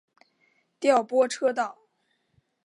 调拨车道。